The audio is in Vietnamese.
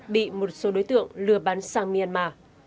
bị một số đối tượng lừa bán sang myanmar